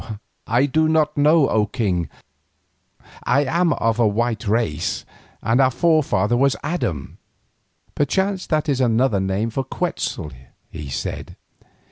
"I do not know, O king. I am of a white race, and our forefather was named Adam." "Perchance that is another name for Quetzal," he said.